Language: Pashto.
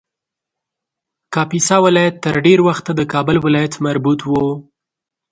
کاپیسا ولایت تر ډېر وخته د کابل ولایت مربوط و